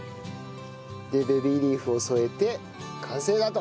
でベビーリーフを添えて完成だと。